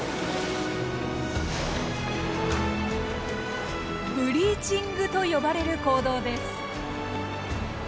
ブリーチングと呼ばれる行動です。